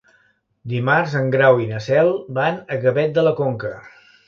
Dimarts en Grau i na Cel van a Gavet de la Conca.